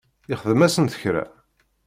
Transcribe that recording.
Ixdem-asent kra?